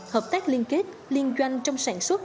hợp tác liên kết liên doanh trong sản xuất